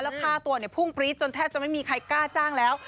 แล้วค่าตัวเนี่ยพุ่งปรี๊ดจนแทบจะไม่มีใครกล้าจ้างแล้ว